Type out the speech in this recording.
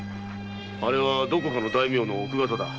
あれはどこぞの大名の奥方だ。